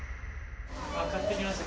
あっ買ってきました。